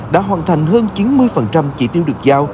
đã hoàn thành hơn chín mươi phần tiền